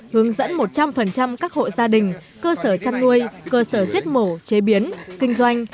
hướng dẫn một trăm linh các hộ gia đình cơ sở chăn nuôi cơ sở giết mổ chế biến kinh doanh